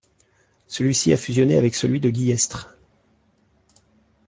Celui-ci a fusionné avec celui de Guillestre.